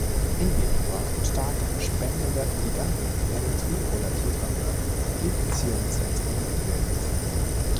In Gegenwart stark spendender Liganden werden Tri- oder Tetramerc-Lithiumzentren gebildet.